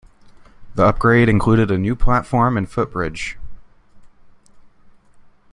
The upgrade included a new platform and footbridge.